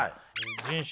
人種？